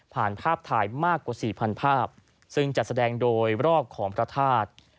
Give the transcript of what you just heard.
ผ่านภาพถ่ายมากกว่าสี่พันธุ์ภาพซึ่งจัดแสดงโดยรอบของพระธาตุ